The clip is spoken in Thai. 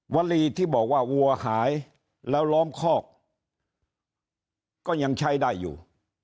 วลีที่บอกว่าวัวหายแล้วล้อมคอกก็ยังใช้ได้อยู่